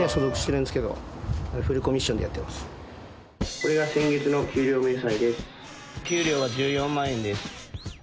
これが先月の給料明細です。